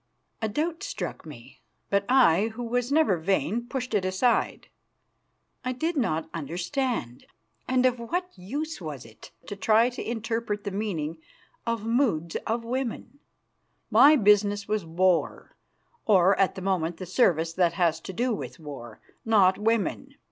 A doubt struck me, but I, who was never vain, pushed it aside. I did not understand, and of what use was it to try to interpret the meaning of the moods of women? My business was war, or, at the moment, the service that has to do with war, not women.